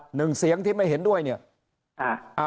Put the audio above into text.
หนึ่งเสียงที่ไม่เห็นด้วยเนี่ย